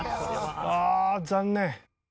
ああ残念！